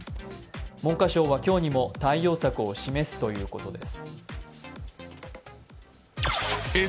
文科省は今日にも対応策を示すということです。